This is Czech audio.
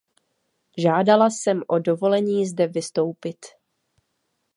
Žádala jsem o dovolení zde vystoupit.